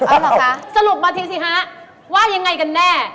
เอาเหรอคะสรุปมาทีสิฮะว่ายังไงกันแน่